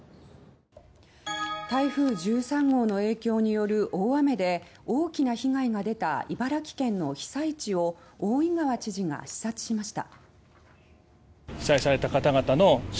台風１３号の影響による大雨で大きな被害が出た茨城県の被災地を大井川知事が視察しました。